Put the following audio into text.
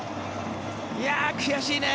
いやー、悔しいね。